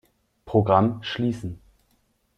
Programm schließen.